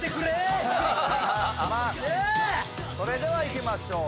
それではいきましょう。